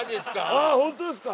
ああホントですか？